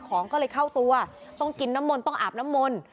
ของก็เลยเข้าตัวต้องกินน้ำมนต์ต้องอาบน้ำมนต์